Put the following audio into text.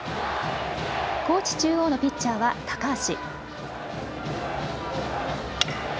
高知中央のピッチャーは高橋。